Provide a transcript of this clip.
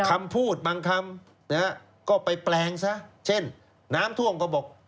คำพูดบางคำนะฮะก็ไปแปลงซะเช่นน้ำท่วมก็บอก